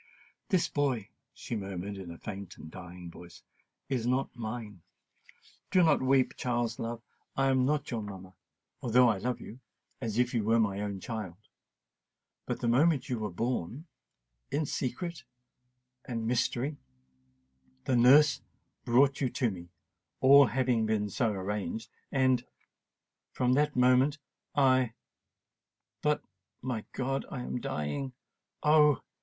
"This boy," she murmured in a faint and dying voice, "is not mine. Do not weep, Charles, love—I am not your mamma——although I love you——as if you was my own child. But the moment you were born——in secret——and mystery——the nurse brought you to me——all having been so arranged——and——from that moment I——but, my God! I am dying!——oh!